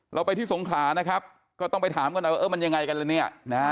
เราไปที่สงขานะครับก็ต้องไปถามกันว่ามันยังไงกันแล้วเนี่ย